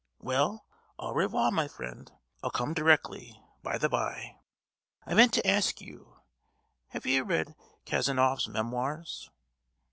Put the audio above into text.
—well, au revoir, my friend—I'll come directly; by the bye—I meant to ask you, have you read Kazanoff's Memoirs?"